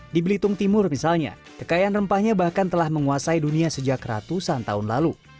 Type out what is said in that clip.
di belitung timur misalnya kekayaan rempahnya bahkan telah menguasai dunia sejak ratusan tahun lalu